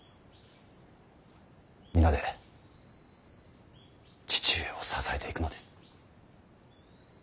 皆で父上を支えていくのです。